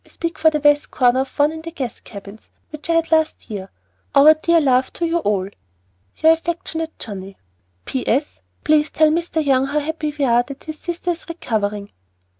I speak for the west corner one in the guest cabin, which I had last year. Our dear love to you all. Your affectionate JOHNNIE. P.S. Please tell Mr. Young how happy we are that his sister is recovering.